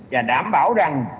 và đảm bảo rằng